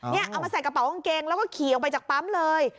นี่เอามาใส่กระเป๋ากางเกงแล้วก็ขี่ออกไปจากปั๊มเลย